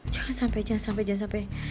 jangan sampai jangan sampai jangan sampai